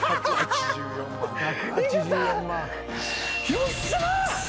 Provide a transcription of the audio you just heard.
よっしゃ！